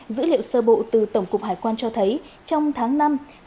dữ liệu sơ bộ từ tổng cục hải quan cho thấy trong tháng năm hai trăm một mươi ba tấn gạo đợi